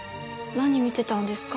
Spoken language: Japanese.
「何見てたんですか？」